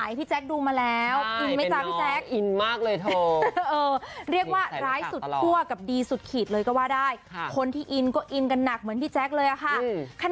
อ่ะคุณผู้ชมไปดูสิว่าใครดีใครร้ายค่ะ